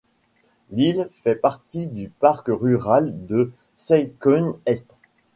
L'île fait partie du parc rural de Sai Kung Est.